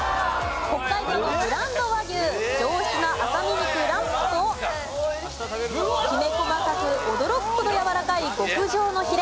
北海道のブランド和牛上質な赤身肉ランプときめ細かく驚くほどやわらかい極上のヒレ。